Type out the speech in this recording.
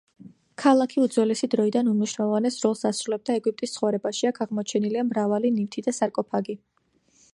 ქალაქი უძველესი დროიდან უმნიშვნელოვანეს როლს ასრულებდა ეგვიპტის ცხოვრებაში, აქ აღმოჩენილია მრავალი ნივთი და სარკოფაგი.